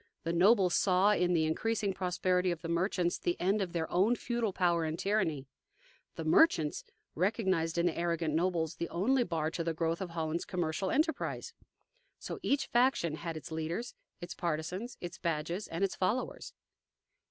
The nobles saw in the increasing prosperity of the merchants the end of their own feudal power and tyranny. The merchants recognized in the arrogant nobles the only bar to the growth of Holland's commercial enterprise. So each faction had its leaders, its partisans, its badges, and its followers.